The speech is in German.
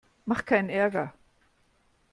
Mach keinen Ärger!